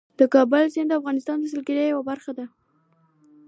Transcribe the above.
د کابل سیند د افغانستان د سیلګرۍ یوه برخه ده.